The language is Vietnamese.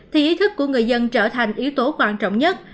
thì ý thức của người dân trở thành yếu tố quan trọng nhất